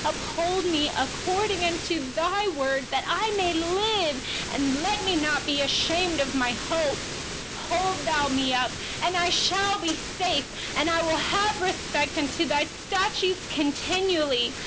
116Uphold me according to your word, that I may live. Let me not be ashamed of my hope. 117Hold me up, and I will be safe, and will have respect for your statutes continually.